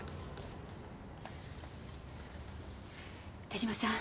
手島さん